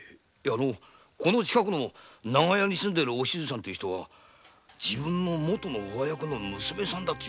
この近くの長屋に住んでるお静さんという人は自分の元の上役の娘さんだと言うんです。